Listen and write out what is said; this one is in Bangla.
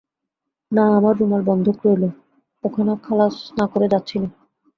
না, আমার রুমাল বন্ধক রইল, ওখানা খালাস না করে যাচ্ছি নে।